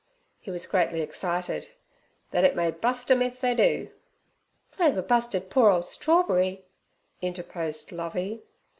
He was greatly excited. 'Thet it may bust 'em if they do!' 'Clover busted poor ole Strawberry' interposed Lovey.